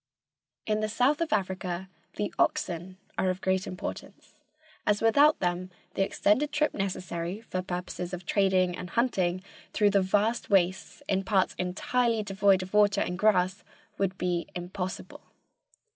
In the south of Africa the oxen are of great importance, as without them the extended trip necessary for purposes of trading and hunting through the vast wastes in parts entirely devoid of water and grass would be impossible.